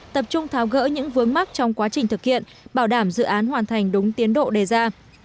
tập trung tháo gỡ những vướng mắt trong quá trình thực hiện bảo đảm dự án hoàn thành đúng tiến độ đề ra